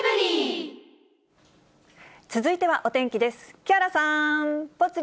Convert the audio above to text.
続いてはお天気です。